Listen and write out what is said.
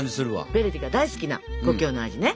ヴェルディが大好きな故郷の味ね。